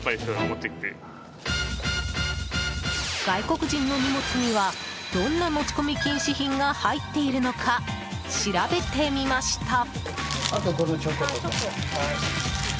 外国人の荷物にはどんな持ち込み禁止品が入っているのか調べてみました。